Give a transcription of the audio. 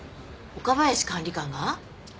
岡林管理官が？